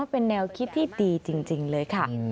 เป็นแนวคิดที่ดีจริงเลยค่ะ